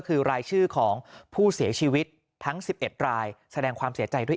คือรายชื่อของผู้เสียชีวิตทั้ง๑๑รายแสดงความเสียใจด้วย